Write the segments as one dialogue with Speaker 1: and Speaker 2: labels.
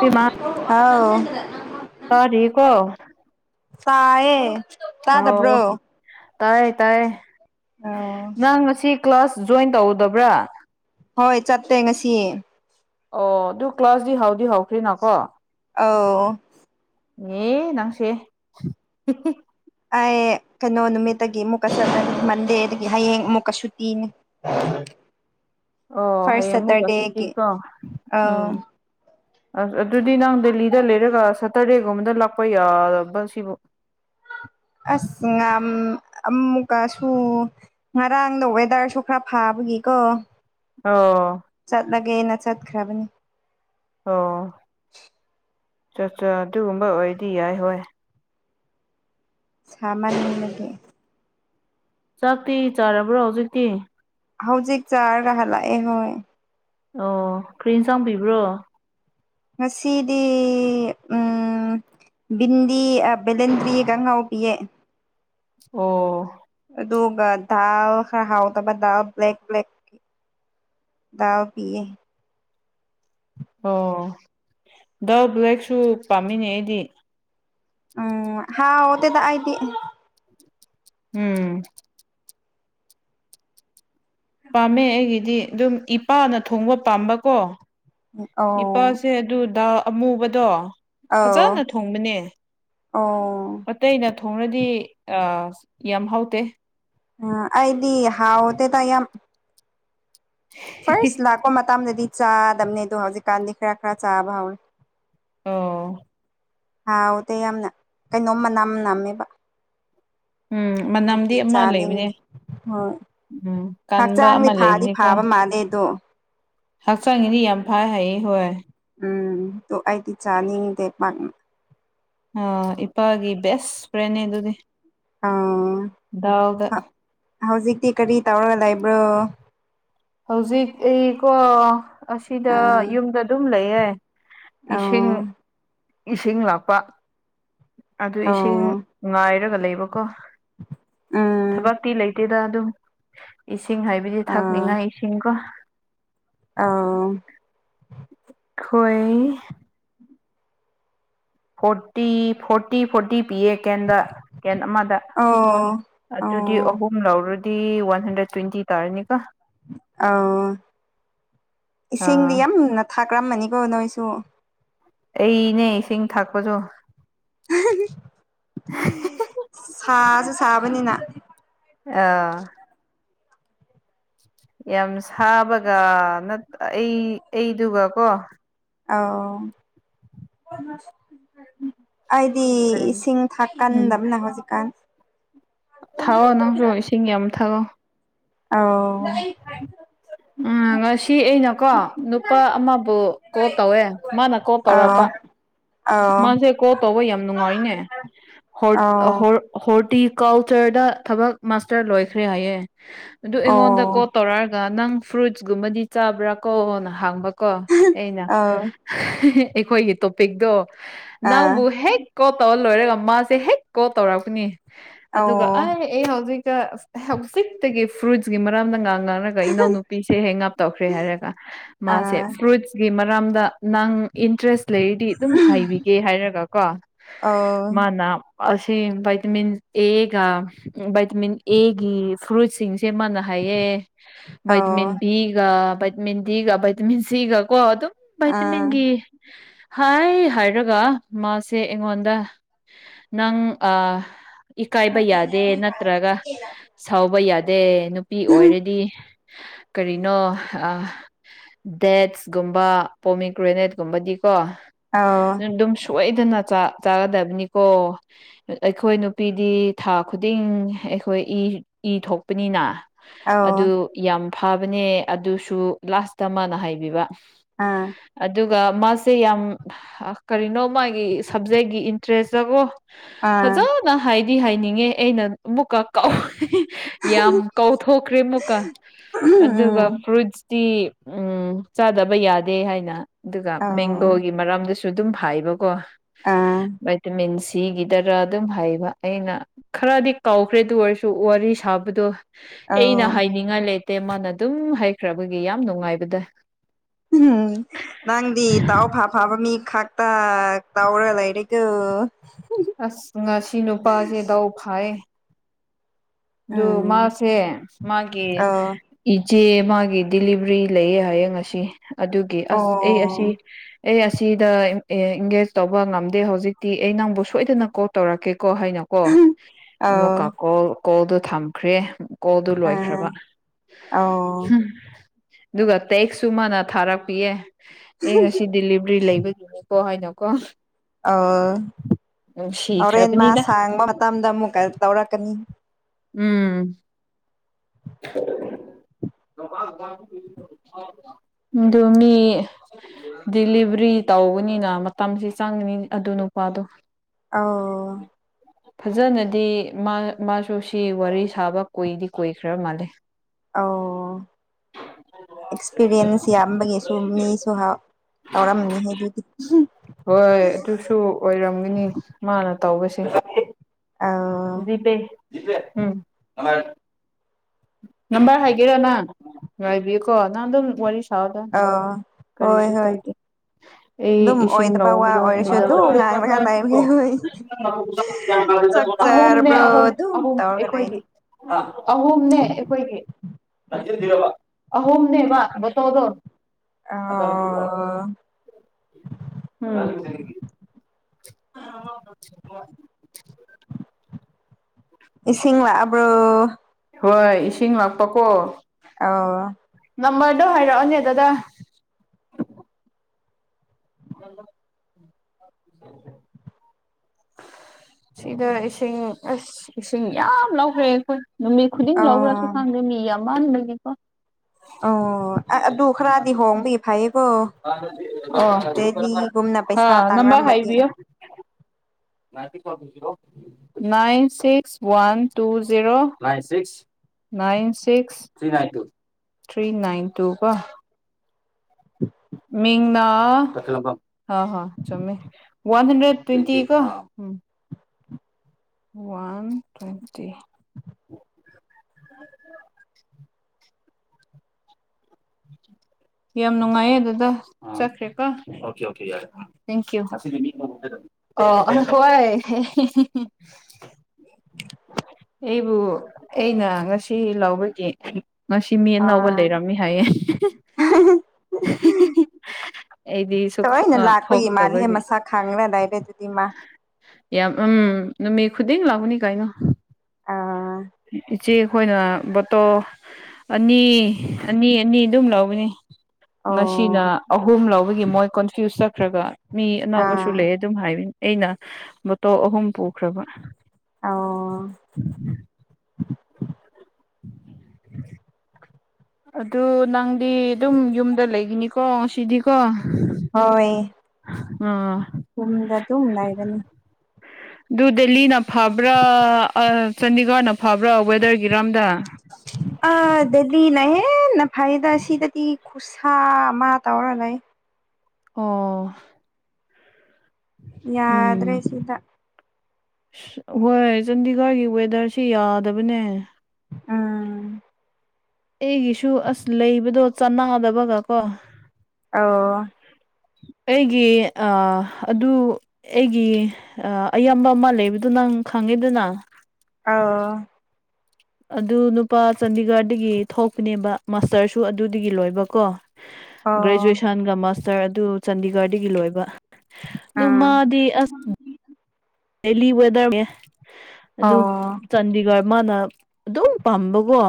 Speaker 1: ꯏꯃꯥ
Speaker 2: ꯑꯥꯎ
Speaker 1: ꯇꯥꯔꯤꯀꯣ
Speaker 2: ꯆꯌꯦꯦ ꯆꯥꯗ ꯄꯨ꯭ꯔꯣ
Speaker 1: ꯇꯥꯏ ꯇꯥꯏ ꯅꯪ ꯉꯁꯤ ꯀ꯭ꯂꯥꯁ ꯖꯣꯏꯟ ꯇꯧꯗꯕ꯭ꯔꯥ
Speaker 2: ꯍꯣꯏ ꯆꯠꯇꯦ ꯉꯁꯤꯌꯦ
Speaker 1: ꯑꯣ ꯑꯗꯨ ꯀ꯭ꯂꯥꯁꯗꯤ ꯍꯥꯎꯗꯤ ꯍꯥꯎꯈ꯭ꯔꯤꯅꯀꯣ
Speaker 2: ꯑ
Speaker 1: ꯑꯦ ꯅꯪꯁꯦ
Speaker 2: ꯑꯩ ꯀꯩꯅꯣ ꯅꯨꯃꯤꯠꯇꯒꯤ ꯑꯃꯨꯛꯀ ꯆꯠꯂꯅꯤ ꯃꯟꯗꯦꯗꯒꯤ ꯍꯌꯦꯡ ꯑꯃꯨꯛꯀꯁꯨꯨꯇꯤꯅꯤ
Speaker 1: ꯑꯣ
Speaker 2: ꯐꯔꯁ
Speaker 1: ꯍꯌꯦꯡ ꯃꯨꯛꯀ
Speaker 2: ꯁꯇꯔꯗꯦꯒꯤ
Speaker 1: ꯁꯨꯇꯤꯀꯣ
Speaker 2: ꯑ
Speaker 1: ꯎꯝ ꯑꯁ ꯑꯗꯨꯗꯤ ꯅꯪ ꯗꯦꯜꯂꯤꯗ ꯂꯩꯔꯒ ꯁꯇꯔꯗꯦꯒꯨꯝꯕꯗ ꯂꯥꯛꯄ ꯌꯥꯕ ꯁꯤꯕꯨ
Speaker 2: ꯑꯁ ꯉ ꯑꯃꯨꯛꯀꯁꯨ ꯉꯔꯥꯡꯗ ꯋꯦꯗꯔꯁꯨ ꯈꯔ ꯐꯕ ꯀꯣ
Speaker 1: ꯑꯣ
Speaker 2: ꯆꯠꯂꯒꯦꯅ ꯆꯠꯈ꯭ꯔꯕꯅꯤ
Speaker 1: ꯑꯣ ꯆꯠꯆꯥ ꯑꯗꯨꯒꯨꯝꯕ ꯑꯣꯏꯗꯤ ꯌꯥꯏ ꯍꯣꯏ
Speaker 2: ꯁꯥꯃꯅ ꯂꯦ
Speaker 1: ꯆꯥꯛꯇꯤ ꯆꯥꯔꯕ꯭ꯔꯣ ꯍꯧꯖꯤꯛꯇꯤ
Speaker 2: ꯍꯧꯖꯤꯛ ꯆꯥꯔꯒ ꯂꯥꯛꯑꯦ ꯍꯣꯏ
Speaker 1: ꯑꯣ ꯀꯔꯤꯟ ꯆꯥꯡꯕꯤꯕ꯭ꯔꯣ
Speaker 2: ꯃꯁꯤꯗꯤ ꯎꯝ ꯕꯤꯗꯤꯤ ꯕꯂꯟꯗꯔꯤ ꯉꯎ ꯄꯤ ꯑꯦꯦ
Speaker 1: ꯑꯣ
Speaker 2: ꯑꯗꯨꯗꯥꯔ ꯍꯥꯎ ꯇꯕꯗꯥ ꯭ꯂꯦꯛ ꯭ꯂꯦꯛ ꯎ ꯄꯌꯦ
Speaker 1: ꯑꯣ ꯗꯜ ꯕ꯭ꯂꯦꯛꯁꯨ ꯄꯥꯝꯃꯤꯅꯦ ꯑꯩꯗꯤ
Speaker 2: ꯎꯝ ꯍꯥꯎꯗꯦꯗ ꯑꯗꯤ
Speaker 1: ꯎꯝ ꯄꯥꯝꯃꯦ ꯑꯩꯒꯤꯗꯤ ꯑꯗꯨꯝ ꯏꯄꯥꯅ ꯊꯣꯡꯕ ꯄꯥꯝꯕꯀꯣ
Speaker 2: ꯑꯧ
Speaker 1: ꯏꯄꯥꯁꯦ ꯑꯗꯨ ꯗꯥ ꯑꯃꯨꯕꯗꯣ
Speaker 2: ꯑꯧ
Speaker 1: ꯐꯖꯅ ꯊꯣꯡꯕꯅꯦ
Speaker 2: ꯑꯣ
Speaker 1: ꯑꯇꯩꯅ ꯊꯣꯡꯅꯗꯤ ꯌꯥꯝ ꯍꯥꯎꯇꯦ
Speaker 2: ꯑ ꯑꯩꯗꯤ ꯍꯥꯎꯑꯣꯗ ꯇ ꯌꯥꯝ ꯐꯔꯁ ꯂꯥꯛꯄ ꯃꯇꯝꯗꯗꯤ ꯆꯥꯗꯝꯅꯦꯗꯣ ꯍꯧꯖꯤꯛꯀꯥꯟꯗꯤ ꯈꯔ ꯈꯔ ꯆꯥꯕ ꯍꯧꯔꯦ
Speaker 1: ꯑꯣ
Speaker 2: ꯍꯥꯎ ꯎꯗ ꯌꯥꯝꯅ ꯀꯩꯅꯣꯝ ꯃꯅꯥꯝ ꯅꯅꯥꯝꯃꯦꯕ
Speaker 1: ꯎꯝ ꯃꯅꯝꯗꯤ
Speaker 2: ꯇꯀꯤ
Speaker 1: ꯑꯃ ꯂꯩꯕꯅꯦ
Speaker 2: ꯆꯅꯤꯗ ꯑꯣ
Speaker 1: ꯎꯝ ꯀꯟꯕ
Speaker 2: ꯍꯛꯆꯥꯡꯗꯤ
Speaker 1: ꯑꯃ
Speaker 2: ꯐꯥꯗꯤ
Speaker 1: ꯂꯩꯕꯅꯤꯀꯣ
Speaker 2: ꯐꯥꯕ ꯃꯥꯜꯂꯦ ꯑꯗꯣ
Speaker 1: ꯍꯛꯆꯥꯡꯒꯤꯗꯤ ꯌꯥꯝ ꯐꯩ ꯍꯥꯏꯌꯦ ꯍꯣꯏ
Speaker 2: ꯎꯝꯣ ꯑꯩꯗꯤ ꯆꯥꯅꯤꯡꯗꯦ ꯄꯥꯛ
Speaker 1: ꯑ ꯏꯄꯥꯒꯤ ꯕꯦꯁ ꯐ꯭ꯔꯦꯦ ꯑꯗꯨꯗꯤ
Speaker 2: ꯑ
Speaker 1: ꯗꯥꯎꯒ
Speaker 2: ꯍꯧꯖꯤꯛꯇꯤ ꯀꯔꯤ ꯇꯧꯔꯒ ꯂꯩꯕ꯭ꯔꯣ
Speaker 1: ꯍꯧꯖꯤꯛ ꯑꯩꯀꯣ ꯑꯁꯤꯗ
Speaker 2: ꯑ
Speaker 1: ꯌꯨꯝꯗ ꯑꯗꯨꯝ ꯂꯩꯌꯦ
Speaker 2: ꯑ
Speaker 1: ꯏꯁꯤꯡ ꯏꯁꯤꯡ ꯂꯥꯞꯄ ꯑꯗꯨ
Speaker 2: ꯑ
Speaker 1: ꯏꯁꯤꯡ ꯉꯥꯏꯔꯒ ꯂꯩꯕꯀꯣ
Speaker 2: ꯎꯝ
Speaker 1: ꯊꯕꯛꯇꯤ ꯂꯩꯇꯦꯗ ꯑꯗꯨꯝ ꯏꯁꯤꯡ ꯍꯥꯏꯕꯗꯤ ꯊꯛꯅꯤꯡꯉꯥꯏ ꯏꯁꯤꯡꯀꯣ
Speaker 2: ꯑꯥ
Speaker 1: ꯑꯩꯣꯏ ꯐꯣꯔꯇꯤ ꯐꯣꯔꯇꯤ ꯐꯣꯔꯇꯤ ꯄꯤ ꯑꯦ ꯀꯦꯟꯗ ꯀꯦꯟ ꯑꯃꯗ
Speaker 2: ꯑꯧ
Speaker 1: ꯑꯗꯨꯗꯤ
Speaker 2: ꯑꯧ
Speaker 1: ꯑꯍꯨꯝ ꯂꯧꯔꯨ ꯗꯤ ꯋꯥꯟ ꯍꯟꯗ꯭ꯔꯦꯠ ꯇ꯭ꯋꯦꯟꯇꯤ ꯇꯥꯔꯅꯤ ꯀ
Speaker 2: ꯑꯣ ꯏꯁꯤꯡ
Speaker 1: ꯑꯥ
Speaker 2: ꯅꯥ ꯀ꯭ꯔꯝꯃꯅꯤ ꯀꯣꯅꯣꯏꯁꯨ
Speaker 1: ꯑꯩꯅꯦ ꯏꯁꯤꯡ ꯊꯥꯛꯄꯁꯨ
Speaker 2: ꯁꯥꯁꯨ ꯁꯥꯕꯅꯤꯅ
Speaker 1: ꯑꯥ ꯌꯥꯝ ꯁꯥꯕꯒ ꯑꯩ ꯑꯩꯗꯨꯒ ꯀꯣ
Speaker 2: ꯑꯥꯎ ꯑꯩꯗꯤ
Speaker 1: ꯀꯔꯤ
Speaker 2: ꯏꯁꯤꯡ
Speaker 1: ꯎꯝ
Speaker 2: ꯊꯥꯛꯀꯟꯗꯕꯅ ꯍꯧꯖꯤꯛꯀꯥꯟ
Speaker 1: ꯊꯥꯛꯑꯣ ꯅꯪꯁꯨ ꯏꯁꯤꯡ ꯌꯥꯝ ꯊꯥꯛꯑꯣ
Speaker 2: ꯑ
Speaker 1: ꯎ ꯉꯁꯤ ꯑꯩꯅꯀꯣ ꯅꯨꯄꯥ ꯑꯃꯕꯨ ꯀꯣꯜ ꯇꯧꯋꯦ ꯃꯥꯅ ꯀꯣꯜ ꯇꯧꯔꯛꯄ
Speaker 2: [unintelligible]
Speaker 1: ꯃꯥꯁꯦ ꯀꯣ ꯇꯧꯕ ꯌꯥꯝ ꯅꯨꯡꯉꯥꯏꯅꯦ ꯍ ꯍꯣꯔꯇꯤ ꯀꯜꯆꯔꯗ ꯊꯕꯛ ꯃꯥꯁꯇꯔ ꯂꯣꯏꯈ꯭ꯔꯦ ꯍꯥꯏꯌꯦꯦ ꯑꯗꯨ ꯑꯩꯉꯣꯟꯗ
Speaker 2: ꯑꯧ
Speaker 1: ꯀꯣꯜ ꯇꯧꯔꯛꯑꯒ ꯅꯪ ꯐ꯭ꯔꯨꯏꯠꯁꯀꯨꯝꯕꯗꯤ ꯆꯥꯕ꯭ꯔꯥ ꯀꯣꯅ ꯍꯥꯡꯕꯀꯣ ꯑꯩꯅ
Speaker 2: ꯑꯣ
Speaker 1: ꯑꯩꯈꯣꯏꯒꯤ ꯇꯣꯄꯤꯛꯇꯣ
Speaker 2: ꯑꯧ ꯑ
Speaker 1: ꯅꯪꯕꯨ ꯍꯦꯛ ꯀꯣ ꯇ ꯂꯣꯏꯔꯒ ꯃꯥꯁꯦ ꯍꯦꯛ ꯀꯣꯜ ꯇꯧꯔꯛꯄꯅꯤ ꯑꯗꯨꯒ
Speaker 2: ꯑꯧ
Speaker 1: ꯑꯩ ꯑꯩ ꯍꯧꯖꯤꯛ ꯍꯧꯖꯤꯛꯇꯒꯤ ꯐ꯭ꯔꯨꯏꯀꯤ ꯃꯔꯝꯗꯥꯡ ꯍꯥꯏ
Speaker 2: ꯑ
Speaker 1: ꯃꯔꯝꯗ ꯅꯪ ꯏꯟꯇꯔꯦꯁ ꯂꯩꯔꯤꯗꯤ ꯑꯗꯨꯝ ꯍꯥꯏꯕꯤꯒꯦ ꯍꯥꯏꯔꯒ ꯀꯣ
Speaker 2: ꯑꯧ
Speaker 1: ꯃꯥꯅ ꯑꯁꯤ ꯚꯥꯏꯇꯃꯤꯟ ꯑꯦꯒ ꯚꯥꯏꯇꯃꯤꯟ ꯑꯦꯒꯤ ꯐ꯭ꯔꯨꯏꯠꯁꯤꯡꯁꯦ ꯃꯥꯅ ꯍꯥꯏ ꯑꯦ
Speaker 2: ꯑꯧ
Speaker 1: ꯩꯠꯃꯤꯟꯕꯤꯒ ꯩꯠꯃꯤꯟ ꯒ ꯩꯇꯃꯤꯟ ꯁꯤꯒ ꯀꯣ ꯑꯗꯨ
Speaker 2: ꯑꯧ
Speaker 1: ꯥꯏꯇ ꯃꯤꯦ ꯍ ꯍꯥꯏꯔꯒ ꯃꯥꯁꯦ ꯑꯩꯉꯣꯟꯗ ꯅꯪ ꯑ ꯏꯀꯥꯏꯕ ꯌꯥꯗꯦ ꯅꯠꯇ꯭ꯔꯒ ꯁꯥꯎꯕ ꯌꯥꯗꯦ ꯅꯨꯄꯤ ꯑꯣꯏꯔꯗꯤ ꯀꯔꯤꯅꯣ ꯗꯦꯠꯁꯀꯨꯝꯕ ꯄꯣꯃꯤꯒ꯭ꯔꯦꯅꯦꯠꯀꯨꯝꯕꯗꯤꯀꯣ ꯑꯗꯨꯝ ꯁꯣꯏ ꯐꯖꯅ ꯆꯥꯒꯗꯕꯅꯤꯀꯣ ꯑꯩꯈꯣꯏ ꯅꯨꯄꯤꯗꯤ ꯊꯥ ꯈꯨꯗꯤꯡ ꯑꯩꯈꯣꯏ ꯑꯩꯈꯣꯏ ꯏ ꯏ ꯊꯣꯛꯄꯅꯤꯅ ꯑꯗꯨ ꯌꯥꯝ ꯐꯕꯅꯦ ꯑꯗꯨꯁꯨ ꯂꯥꯁꯇ ꯃꯥꯅ ꯍꯥꯏꯕꯤꯕ
Speaker 2: ꯑꯥ
Speaker 1: ꯑꯗꯨꯒ ꯃꯥꯁꯦ ꯌꯥꯝ ꯀꯔꯤꯅꯣ ꯃꯥꯒꯤ ꯁꯞꯖꯦꯛꯀꯤ ꯏꯟꯇꯔꯦꯁꯇꯀꯣ ꯐꯖꯅ ꯍꯥꯏꯗꯤ ꯍꯥꯏꯅꯤꯡꯉꯦ ꯑꯩꯅ ꯑꯃꯨꯛꯀ ꯀꯥꯎ ꯌꯥꯝ ꯀꯧꯊꯣꯛꯈ꯭ꯔꯦ ꯑꯃꯨꯛꯀ ꯑꯗꯨꯒ ꯐ꯭ꯔꯨꯠ ꯇꯤ ꯎꯝ ꯆꯥꯗꯕ ꯌꯥꯗꯦ ꯍꯥꯏꯅ ꯑꯗꯨꯒ ꯃꯦꯡꯒꯣ ꯑꯗꯨꯁꯨ ꯑꯗꯨꯝ ꯐꯥꯏꯕꯀꯣ ꯚꯥꯏꯇꯥꯃꯤꯟꯁ ꯁꯤꯒꯤꯗꯔ ꯑꯗꯨꯝ ꯍꯩꯕ ꯑꯩꯅ ꯈꯔꯗꯤ ꯀꯥꯎꯈ꯭ꯔꯦꯗ ꯑꯣꯏꯔꯁꯨ ꯋꯥꯔꯤ ꯁꯥꯕꯗꯣ ꯑꯩꯅ ꯍꯥꯏꯅꯤꯡꯉꯥꯏ ꯂꯩꯇꯦ ꯃꯥꯅ ꯑꯗꯨꯝ ꯍꯥꯏꯈ꯭ꯔꯕꯒꯤ ꯌꯥꯝ ꯅꯨꯡꯉꯥꯏꯕꯗ
Speaker 2: ꯎꯝ ꯅꯪꯗꯤ ꯗꯥꯎ ꯐꯥ ꯐꯥꯕ ꯃꯤ ꯈꯛꯇ ꯇꯗꯥꯎꯔ ꯂꯩꯔꯦꯒ
Speaker 1: ꯑꯁ ꯉꯁꯤ ꯅꯨꯄꯥꯁꯦꯗꯥꯎ ꯐꯥꯏꯌꯦ ꯑꯗꯨ
Speaker 2: ꯎꯝ
Speaker 1: ꯃꯥꯁꯦ ꯃꯥꯒꯤ
Speaker 2: ꯑꯣ
Speaker 1: ꯖꯦ ꯃꯥꯒꯤ ꯗꯤꯂꯤꯚꯔꯤ ꯂꯩꯌꯦ ꯍꯌꯦꯡ ꯉꯁꯤ ꯑꯗꯨꯒꯤ
Speaker 2: ꯑꯣ
Speaker 1: ꯑꯁ ꯑꯩ ꯑꯁꯤ ꯑꯩ ꯑꯁꯤꯗ ꯏꯡꯒꯦꯖ ꯇꯧꯕ ꯉꯝꯗꯦ ꯍꯧꯖꯤꯛꯇꯤ ꯑꯩ ꯅꯪꯕꯨ ꯁꯣꯏꯗꯅ ꯀꯣꯜ ꯇꯧꯔꯛꯀꯦꯀꯣ ꯍꯥꯏꯅꯀꯣ ꯑꯃꯨꯛꯀ ꯀꯣꯜ ꯀꯣꯜꯗꯣ ꯊꯝꯈ꯭ꯔꯦ ꯀꯣꯜꯗꯨ
Speaker 2: ꯑ ꯑ
Speaker 1: ꯂꯣꯏꯈ꯭ꯔꯕ
Speaker 2: ꯑꯣ
Speaker 1: ꯎꯝ ꯑꯗꯨꯒ ꯇꯦꯛꯁꯁꯨ ꯃꯥꯅ ꯊꯥꯔꯛꯄꯤꯌꯦ ꯑꯦ ꯉꯁꯤ ꯗꯗꯤꯂꯤꯚꯔꯤ ꯂꯩꯕꯗꯨ ꯀ ꯍꯥꯏꯅꯣꯀꯣ
Speaker 2: ꯑ ꯍꯣꯔꯦꯟ ꯃꯥ
Speaker 1: ꯅꯨꯡꯁꯤꯈ꯭ꯔꯕꯅꯤꯗ
Speaker 2: ꯁꯥꯡꯕ ꯃꯇꯝꯗ ꯑꯃꯨꯛ ꯀ ꯇꯧꯔꯛꯀꯅꯤ
Speaker 1: ꯎꯝ ꯍ ꯑꯗꯨꯃꯤ ꯗꯤꯂꯤꯚꯔꯤ ꯇꯧꯒꯅꯤꯅ ꯃꯇꯝꯁ ꯆꯪꯒꯅꯤ ꯑꯗꯨ ꯅꯨꯄꯥꯗꯣ
Speaker 2: ꯑꯣ
Speaker 1: ꯐꯖꯅꯗꯤ ꯃꯥ ꯃꯥꯁꯨ ꯁꯤ ꯋꯥꯔꯤ ꯁꯥꯕ ꯀꯣꯏꯗꯤ ꯀꯣꯏꯈ꯭ꯔ ꯃꯥꯜꯂꯦ
Speaker 2: ꯑꯣ ꯑꯦꯛꯁꯄꯤꯔꯤꯌꯦꯟꯁ ꯌꯥꯝꯕꯒꯤꯁꯨ ꯃꯤꯁꯨ ꯇꯎꯔꯝꯅꯤ ꯑꯗꯨꯒꯤ
Speaker 1: ꯍꯣꯏ ꯑꯗꯨꯁꯨ ꯑꯣꯏꯔꯝꯒꯅꯤ ꯃꯥꯅ ꯇꯧꯕꯁꯤꯡ
Speaker 2: ꯑꯧ
Speaker 1: ꯖꯤꯄꯦꯦꯝ ꯅꯝꯕꯔ ꯍꯥꯏꯒꯦꯔ ꯅꯪ ꯉꯥꯏꯕꯤꯌꯨꯀꯣ ꯅꯪ ꯑꯗꯨꯝ ꯋꯥꯔꯤ ꯊꯥꯎ ꯊ
Speaker 2: ꯑꯧ ꯍꯣꯏ
Speaker 1: ꯀꯔꯤꯁꯤ
Speaker 2: ꯍꯣꯏ
Speaker 1: ꯀꯥꯏ ꯑꯩ
Speaker 2: ꯑꯗꯨꯝ
Speaker 1: ꯏꯁꯤꯡ
Speaker 2: ꯑꯣꯏꯗꯕ ꯋꯥ
Speaker 1: ꯅꯧꯗ
Speaker 2: ꯑꯣꯏꯔꯁꯨ
Speaker 1: ꯃꯤꯗ
Speaker 2: ꯑꯗꯨꯝ ꯉꯥꯡꯂꯒ ꯂꯩꯕꯅꯦ ꯍꯣꯏ ꯆꯥꯛ
Speaker 1: ꯑꯍꯨꯝꯅꯦ
Speaker 2: ꯆꯥꯔꯕ꯭ꯔꯣ
Speaker 1: ꯑꯍꯨꯝ
Speaker 2: ꯑꯗꯨꯝ
Speaker 1: ꯑꯍꯨꯝ
Speaker 2: ꯇꯧꯔꯒ ꯂꯩꯅꯤ
Speaker 1: ꯑꯩꯈꯣꯏꯒꯤ ꯑꯍꯨꯝꯅꯦ ꯑꯩꯈꯣꯏꯒꯤ ꯑꯍꯣꯨꯝꯅꯦꯕꯁꯣꯗꯣ ꯑꯗꯣ
Speaker 2: ꯑꯣ
Speaker 1: ꯎꯝ [unintelligible]
Speaker 2: ꯏꯁꯤꯡꯂꯕ꯭ꯔꯣ
Speaker 1: ꯍꯣꯏ ꯏꯁꯤꯡ ꯂꯥꯛꯄꯀꯣ
Speaker 2: ꯑꯣ
Speaker 1: ꯅꯝꯕꯔꯗꯣ ꯍꯥꯏꯔꯛꯑꯣꯅꯦ ꯗꯗꯥ ꯍ ꯁꯤꯗ ꯏꯁꯤꯡ ꯑꯁ ꯏꯁꯤꯡ ꯌꯥꯝ ꯂꯧꯈ꯭ꯔꯦ ꯑꯩꯈꯣꯏ ꯅꯨꯃꯤꯠ ꯈꯨꯗꯤꯡ ꯂꯧꯈ꯭ꯔꯁꯨ
Speaker 2: ꯑꯧ
Speaker 1: ꯈꯥꯡꯗꯦ ꯃꯤ ꯌꯥꯝ ꯃꯟꯕꯅꯤꯀꯣ
Speaker 2: ꯑꯣ ꯑ ꯑꯗꯨꯣ ꯈꯔꯥꯗꯤ ꯍꯣꯡꯕ ꯏ ꯐꯩꯀꯣ ꯄꯩꯁꯥ
Speaker 1: ꯑ ꯅꯪꯝꯕꯔ
Speaker 2: ꯇꯥꯡꯔꯝꯃꯗꯤ
Speaker 1: ꯍꯥꯏꯕꯤꯣ nine six one two zero nine six nine six three nine two ꯀꯣ ꯃꯤꯡꯅ ꯍ ꯆꯨꯝꯃꯦ ꯋꯥꯟ ꯍꯟꯗ꯭ꯔꯦꯠ ꯇ꯭ꯋꯦꯟꯇꯤ ꯀꯣ ꯎꯝ ꯋꯥꯟ ꯇ꯭ꯋꯦꯟꯇꯤ ꯎ ꯌꯥꯝ ꯅꯨꯡꯉꯥꯏꯌꯦ ꯑꯗꯨꯗ ꯆꯠꯈ꯭ꯔꯦꯀꯣ ꯊꯦꯡꯀꯨ ꯑ ꯍꯣꯏ
Speaker 2: [unintelligible]
Speaker 1: ꯑꯩꯕꯨ ꯑꯩꯅ ꯉꯁꯤ ꯂꯥꯎꯕꯒꯤ ꯉꯁꯤ ꯃꯤ ꯑꯅꯧꯕ ꯂꯩꯔꯝꯃꯤ ꯍꯥꯏꯌꯦ
Speaker 2: ꯎꯝ
Speaker 1: ꯑꯩꯗꯤ ꯁꯨꯛ
Speaker 2: ꯇꯅ ꯂꯥꯛꯄꯒꯤ ꯃꯥꯜꯂꯦꯍꯦ
Speaker 1: ꯊꯣꯛꯇꯕꯒꯤ
Speaker 2: ꯃꯁꯥ ꯈꯥꯡꯅꯗꯥꯏꯔꯦ ꯑꯗꯨꯗꯤ ꯏ ꯃꯥ
Speaker 1: ꯌꯥꯝ ꯎꯝꯃꯤ ꯈꯨꯗꯤ ꯂꯒꯅꯤ ꯀꯥꯏꯅꯣ
Speaker 2: ꯑꯥ
Speaker 1: ꯏꯆꯦ ꯑꯩꯈꯣꯏꯅ ꯕꯣꯇꯣ ꯑꯅꯤ ꯑꯅꯤ ꯑꯅꯤ ꯑꯗꯨꯝ ꯂꯧꯕꯅꯤ
Speaker 2: ꯑꯣ
Speaker 1: ꯉꯁꯤꯅ ꯑꯍꯨꯝ ꯂꯧꯕꯒꯤ ꯃꯣꯏ ꯀꯣꯟꯐ꯭ꯌꯨꯁ ꯆꯠꯈ꯭ꯔꯒ ꯃꯤ ꯑꯅꯥꯕꯁꯨ
Speaker 2: ꯑꯥ
Speaker 1: ꯂꯩ ꯑꯗꯨꯝ ꯍꯥꯏ ꯑꯩꯅ ꯕꯣꯇꯣ ꯑꯍꯨꯝ ꯄꯨꯈ꯭ꯔꯕ
Speaker 2: ꯑꯣ [unintelligible]
Speaker 1: ꯑꯗꯨ ꯅꯪꯗꯤ ꯑꯗꯨꯝ ꯌꯨꯝꯗ ꯂꯩꯒꯅꯤꯀꯣ ꯁꯤꯗꯤꯀꯣ
Speaker 2: ꯍꯣꯏ ꯀꯨꯝꯗ ꯑꯗꯨꯝꯅꯥꯏꯒꯅꯤ
Speaker 1: ꯑꯗꯨ ꯗꯦꯜꯂꯤꯅ ꯐꯕ꯭ꯔꯥ ꯆꯥꯟꯗꯤꯒꯔꯅ ꯐꯕ꯭ꯔꯥ ꯋꯦꯗꯔ ꯏꯔꯝꯗ
Speaker 2: ꯑꯅ ꯍꯦꯟꯅ ꯐꯩꯗ ꯁꯤꯗꯗꯤ ꯈꯨꯠꯁꯥ ꯑꯃ ꯇꯧꯔ ꯂꯩ
Speaker 1: ꯑꯣ
Speaker 2: ꯌꯥꯗ꯭ꯔꯦ
Speaker 1: ꯎꯝ
Speaker 2: ꯁꯤꯗ
Speaker 1: ꯍꯣꯏ ꯆꯥꯟꯗꯤꯒꯔꯒꯤ ꯋꯦꯗꯔꯁꯤ ꯌꯥꯗꯕꯅꯦ
Speaker 2: ꯎꯝ
Speaker 1: [unintelligible] ꯑꯩꯒꯤꯁꯨ ꯑꯁ ꯂꯩꯕꯗꯣ ꯆꯅꯥꯗꯕꯒ ꯀꯣ
Speaker 2: ꯑ
Speaker 1: ꯑꯩꯒꯤ ꯑꯗꯨ ꯑꯩꯒꯤ ꯑꯌꯥꯝꯕ ꯑꯃ ꯂꯩꯕꯗꯣ ꯅꯪ ꯈꯪ ꯐꯪꯉꯤꯗꯨꯅ
Speaker 2: ꯑ
Speaker 1: ꯑꯗꯨ ꯅꯨꯄꯥ ꯆꯥꯟꯗꯤꯒꯔꯗꯒꯤ ꯊꯣꯛꯄꯅꯦꯕ ꯃꯥꯁꯇꯔꯁꯨ ꯑꯗꯨꯗꯒꯤ ꯂꯣꯏꯕꯀꯣ
Speaker 2: ꯑꯣ
Speaker 1: ꯒ꯭ꯔꯦꯖꯨꯑꯦꯁꯟꯒ ꯃꯥꯁꯇꯔ ꯑꯗꯨ ꯆꯥꯟꯗꯤꯒꯔꯗꯒꯤ ꯂꯣꯏꯕ
Speaker 2: ꯑꯥ
Speaker 1: ꯑꯗꯨꯗꯨꯃ ꯗ ꯑꯁ ꯗꯦꯂꯤ ꯋꯦꯗꯔꯅꯦ ꯑꯗꯨ
Speaker 2: ꯑꯣ
Speaker 1: ꯆꯥꯟꯗꯤꯒꯔ ꯃꯥꯅ ꯑꯗꯨꯝ ꯄꯥꯝꯕꯀꯣ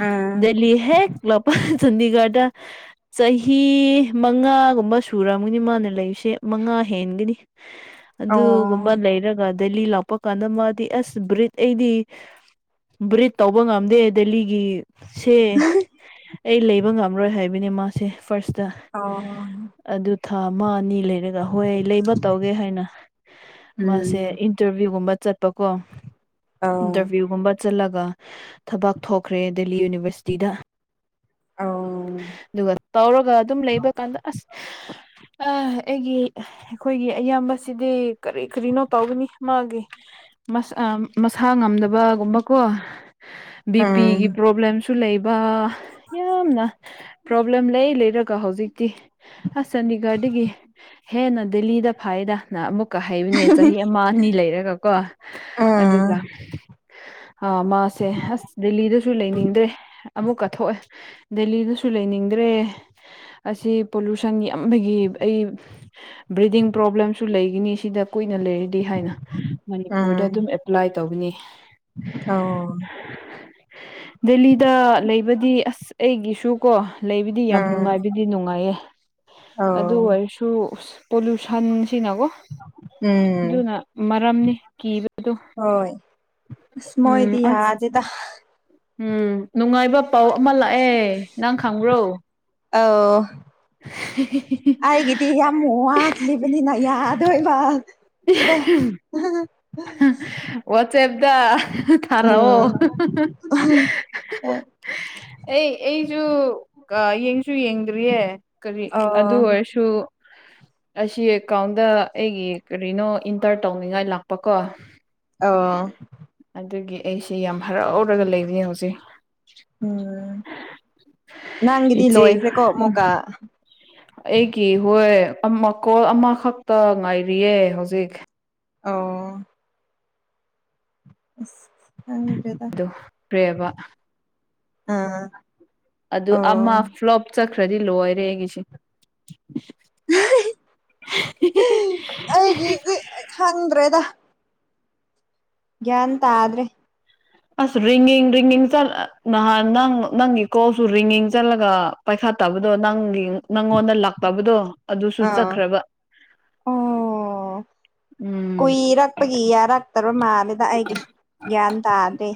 Speaker 2: ꯎꯝ
Speaker 1: ꯗꯦꯍꯤ ꯍꯦꯛ ꯂꯄ ꯆꯥꯟꯗꯤꯒꯔꯗ
Speaker 2: [unintelligible]
Speaker 1: ꯆꯍꯤ ꯃꯉꯥꯒꯨꯝꯕ ꯁꯨꯔꯝꯒꯅꯤ ꯃꯥꯅ ꯂꯩꯔꯤꯁꯦ ꯃꯉꯥ ꯍꯦꯟꯒꯅꯤ ꯑꯗꯨ
Speaker 2: ꯑꯣ
Speaker 1: ꯑꯗꯨꯒꯨꯝꯝꯕ ꯂ ꯂꯩꯔꯒ ꯗꯂꯤ ꯂꯥꯛꯄ ꯀꯥꯟꯗ ꯃꯥꯗꯤ ꯑꯁ ꯕ꯭ꯔꯤꯠ ꯑꯩꯗꯤ ꯕ꯭ꯔꯤꯠ ꯇꯧꯕ ꯉꯝꯗꯦ ꯗꯦꯜꯂꯤꯒꯤ ꯁꯦ ꯑꯩ ꯂꯩꯕ ꯉꯝꯔꯣꯏ ꯍꯥꯏꯕꯅꯦ ꯃꯥꯁꯦ ꯐꯥꯔꯁꯇ
Speaker 2: ꯑꯣ
Speaker 1: ꯑꯗꯨ ꯊꯥ ꯑꯃ ꯑꯅꯤ ꯍ ꯇꯧꯒꯦ ꯍꯥꯏ ꯃꯥꯁꯦ
Speaker 2: ꯎꯝ
Speaker 1: ꯆꯠꯣ
Speaker 2: ꯑꯧ
Speaker 1: ꯆꯠꯂꯒ ꯊꯕꯛ ꯊꯣꯛꯈ꯭ꯔꯦ ꯗꯦꯜꯂꯤ ꯌꯨꯅꯤꯚꯔꯁꯤꯇꯤꯗ
Speaker 2: ꯑꯧ ꯎꯝ
Speaker 1: ꯑꯗꯨꯒ ꯇꯧꯔꯒ ꯑꯗꯨꯝ ꯂꯩꯕ ꯀꯥꯟꯗ ꯑꯁ ꯑꯩꯒꯤ ꯑꯩꯈꯣꯏꯒꯤ ꯑꯌꯥꯝꯕꯁꯤꯗꯤ ꯀꯔꯤ ꯀꯔꯤꯅꯣ ꯇꯧꯒꯅꯤ ꯃꯥꯒꯤ ꯁꯥ ꯉꯝꯗꯕꯒꯨꯝꯕꯀꯣ ꯕꯤ ꯄꯤꯒꯤ
Speaker 2: ꯎꯝ
Speaker 1: ꯄ꯭ꯔꯣꯕ꯭ꯂꯦꯝꯁꯨ ꯂꯩꯕ ꯌꯥꯝꯅ ꯄ꯭ꯔꯣꯕ꯭ꯂꯦꯝ ꯂꯩ ꯂꯩꯔꯒ ꯍꯧꯖꯤꯛꯇꯤ ꯑꯁ ꯆꯥꯟꯗꯤꯒꯔꯗꯒꯤ ꯍꯦꯟꯅ ꯗꯦꯜꯂꯤꯗ ꯐꯥꯏ ꯍꯗ ꯅ ꯑꯃꯨꯛꯀ ꯍꯩꯕꯅꯦ ꯆꯍꯤ ꯑꯃ ꯑꯅꯤ ꯂꯩꯔꯒꯀꯣ
Speaker 2: ꯎꯝ
Speaker 1: ꯑꯗꯨꯒ
Speaker 2: [unintelligible]
Speaker 1: ꯃꯥꯁꯦ ꯑꯁ ꯗꯦꯜꯂꯤꯗꯁꯨ ꯂꯩꯅꯤꯡꯗ꯭ꯔꯦ ꯑꯃꯨꯛ ꯀꯠꯊꯣꯛꯑꯦ ꯗꯦꯜꯂꯤꯗꯁꯨ ꯂꯩꯅꯤꯡꯗ꯭ꯔꯦ ꯑꯁꯤ ꯄꯣꯂꯨꯁꯟ ꯌꯥꯝꯕꯒꯤ ꯑꯩ ꯕ꯭ꯔꯤꯗꯤꯡ ꯄ꯭ꯔꯣꯕ꯭ꯂꯦꯝꯁꯨ ꯂꯩꯅꯤ ꯩꯅ ꯂꯩꯔꯤꯗꯤ ꯍꯥꯏꯅ ꯃꯅꯤꯄꯨꯔꯗ ꯑꯗꯨꯝ ꯑꯦꯄ꯭ꯂꯥꯏ ꯇꯧꯕꯅꯤ
Speaker 2: ꯍ
Speaker 1: ꯗꯦꯜꯂꯤꯗ ꯂꯩꯕꯗꯤ ꯑꯁ ꯑꯩꯒꯤꯁꯨ ꯀꯣ ꯂꯩꯕꯗꯤ ꯌꯥꯝ
Speaker 2: ꯎꯝ
Speaker 1: ꯅꯨꯡꯉꯥꯏꯕꯗꯤ ꯅꯨꯡꯉꯥꯏꯌꯦ
Speaker 2: ꯑꯧ
Speaker 1: ꯑꯗꯨ ꯑꯣꯏꯔꯁꯨ ꯄꯣꯂꯨꯁꯟ ꯁꯤꯅꯒꯣ
Speaker 2: ꯎꯝ
Speaker 1: ꯑꯗꯨꯅ ꯃꯔꯝꯅꯤ ꯀꯤꯕꯗꯨ
Speaker 2: ꯁꯃꯣ ꯏꯌꯥ ꯑꯗꯨꯗꯗ
Speaker 1: ꯎꯝ ꯅꯨꯡꯉꯥꯏꯕ ꯄꯥꯎ ꯑꯃ ꯂꯥꯛꯑꯦ ꯅꯪ ꯈꯪꯕ꯭ꯔꯣ
Speaker 2: ꯑ ꯑꯩꯥꯏꯒꯤꯗꯤ ꯌꯥꯝꯃꯨꯠꯂꯤꯕꯂꯤꯅ ꯌꯥꯠ ꯣꯏꯃ
Speaker 1: ꯋꯥꯠꯁꯦꯞꯗ ꯊꯔꯑꯣ
Speaker 2: ꯎꯝ ꯑ
Speaker 1: ꯑꯩ ꯑꯩꯁꯨꯣ ꯌꯦꯡꯁꯨ ꯌꯦꯡꯗ꯭ꯔꯤꯌꯦ ꯀꯔꯤ ꯑꯗꯨ
Speaker 2: ꯑꯣ
Speaker 1: ꯑꯣꯏꯔꯁꯨ ꯑꯁꯤ ꯑꯦꯀꯥꯎꯟꯗ ꯑꯩꯒꯤ ꯅ ꯏꯟꯇꯔ ꯇꯧꯅꯤꯡꯉꯥꯏ ꯂꯥꯛꯄ ꯀꯣ
Speaker 2: ꯑꯥ
Speaker 1: ꯑꯩꯁꯤ ꯌꯥꯝ ꯍꯔꯥꯎꯔꯒ ꯂꯩꯔꯤ ꯍꯧꯖꯤꯛ
Speaker 2: ꯎꯝ ꯅꯪꯒꯤꯗꯤ
Speaker 1: ꯏꯆꯦ
Speaker 2: ꯂꯣꯏꯈ꯭ꯔꯦꯀꯣ ꯃꯣꯀꯥ
Speaker 1: ꯑꯩꯒꯤ ꯍꯣꯏ ꯃꯈꯀꯣꯜ ꯑꯃꯈꯛꯇ ꯉꯥꯏꯔꯤꯌꯦ ꯍꯧꯖꯤꯛ
Speaker 2: ꯑꯣ ꯑ ꯊ꯭ꯔꯦꯗ
Speaker 1: ꯄ꯭ꯔꯦꯕ
Speaker 2: ꯑꯝ
Speaker 1: ꯑꯗꯨ ꯑꯃ ꯐ꯭ꯂꯣꯞ ꯆꯠꯈ꯭ꯔꯗꯤ ꯂꯣꯏꯔꯦ ꯑꯩꯒꯤꯁꯦ
Speaker 2: ꯑꯩꯒꯤꯗꯤ ꯍꯪꯗ꯭ꯔꯦꯗ ꯒ꯭ꯌꯥꯟ ꯇꯥꯗ꯭ꯔꯦ
Speaker 1: ꯑꯁ ꯔꯤꯡꯉꯡ ꯔꯤꯡꯉꯡ ꯆꯠꯂ ꯅꯍꯥꯟ ꯅꯪ ꯅꯪꯒꯤ ꯀꯣꯁꯨ ꯔꯤꯡꯉꯡ ꯆꯠꯂꯒ ꯄꯥꯏꯈꯥ ꯐꯠꯇꯕꯗꯣ ꯅꯪꯒꯤ ꯅꯪꯉꯣꯟꯗ ꯂꯥꯛꯇꯕꯗꯣ ꯑꯗꯨꯁꯨ
Speaker 2: ꯑꯥ
Speaker 1: ꯆꯠꯈ꯭ꯔꯕ
Speaker 2: ꯑꯣ
Speaker 1: ꯎꯝ
Speaker 2: ꯀꯨꯏꯔꯛꯄꯒꯤ ꯌꯥꯔꯛꯇꯕ ꯃꯥꯜꯂꯦꯗ ꯑꯩꯒꯤꯁꯨ ꯒ꯭ꯌꯥꯟ ꯇꯥꯗ꯭ꯔꯦ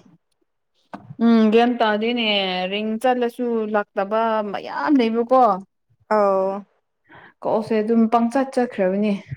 Speaker 2: ꯎ
Speaker 1: ꯎꯝ ꯒ꯭ꯌꯥꯟ ꯇꯥꯗꯣꯏꯅꯦ ꯔꯤꯡ ꯆꯠꯂꯁꯨ ꯂꯥꯛꯇꯕ ꯃꯌꯥꯝ ꯂꯩꯕꯀꯣ
Speaker 2: ꯑꯥꯎ
Speaker 1: ꯀꯣꯛꯁꯦ ꯑꯗꯨꯝ ꯄꯪꯆꯠ ꯆꯠꯈ꯭ꯔꯕꯅꯤ